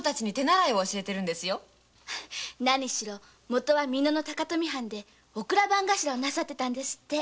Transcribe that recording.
元は美濃の高富藩で御蔵番頭をなさっていたんですって。